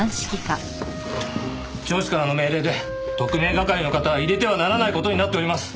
上司からの命令で特命係の方は入れてはならない事になっております。